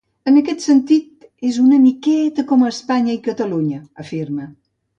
En aquest sentit, ‘és una miqueta com Espanya i Catalunya’, afirma.